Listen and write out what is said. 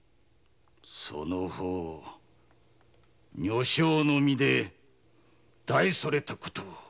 その方女性の身で大それた事を。